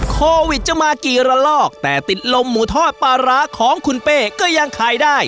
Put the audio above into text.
โควิดจะมากี่ระลอกแต่ติดลมหมูทอดปลาร้าของคุณเป้ก็ยังขายได้